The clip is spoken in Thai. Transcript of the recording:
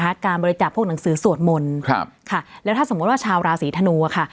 การบริจาคพวกหนังสือสวดมนต์ครับค่ะแล้วถ้าสมมุติว่าชาวราศีธนูอ่ะค่ะ